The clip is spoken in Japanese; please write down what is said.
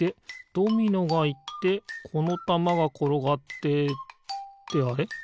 ドミノがいってこのたまがころがってってあれ？